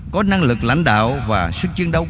có năng lực lãnh đạo và sức chiến đấu